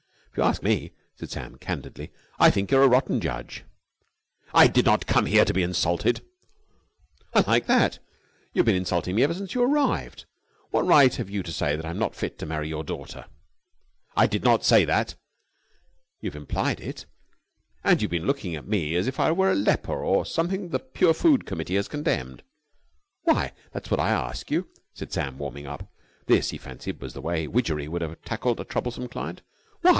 "If you ask me," said Sam candidly, "I think you're a rotten judge." "I did not come here to be insulted!" "I like that! You have been insulting me ever since you arrived. What right have you to say that I'm not fit to marry your daughter?" "I did not say that." "You've implied it. And you've been looking at me as if I were a leper or something the Pure Food Committee has condemned. Why? That's what I ask you," said Sam, warming up. This, he fancied, was the way Widgery would have tackled a troublesome client. "Why?